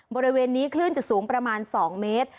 บริเวณนี้คลื่นจะสูงประมาณ๒เมตร